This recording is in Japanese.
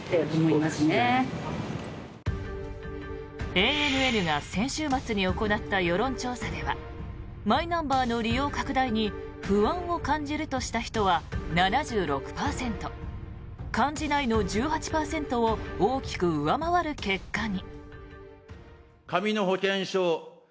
ＡＮＮが先週末に行った世論調査ではマイナンバーの利用拡大に不安を感じるとした人は７６％感じないの１８％を大きく上回る結果に。